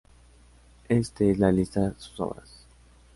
Este es la lista su obras-